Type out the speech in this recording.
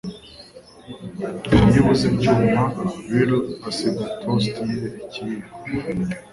Iyo abuze ibyuma, Lyle asiga toast ye ikiyiko.